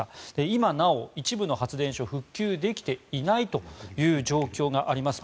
今なお一部の発電所復旧できていないという状況があります。